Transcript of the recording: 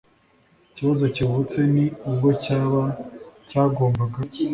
kibazo kivutse n ubwo cyaba cyagombaga